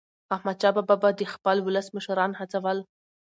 احمدشاه بابا به د خپل ولس مشران هڅول.